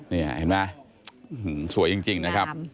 นี่เห็นไหมสวยจริงนะครับ